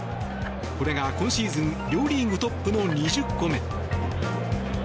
これが今シーズン両リーグトップの２０個目。